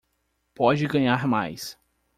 Pode ganhar mais